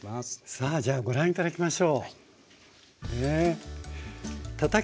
さあじゃあご覧頂きましょう。